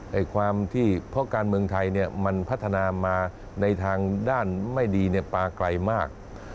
ความที่เพราะการเมืองไทยมันพัฒนามาในทางด้านไม่ดีปลาไกลมาก